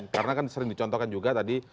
karena kan sering dicontohkan juga tadi